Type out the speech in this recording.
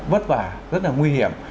vất vả rất là nguy hiểm